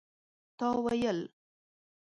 تا ويل